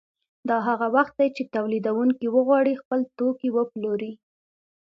دا هغه وخت دی چې تولیدونکي وغواړي خپل توکي وپلوري